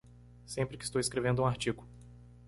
Sempre que estou escrevendo um artigo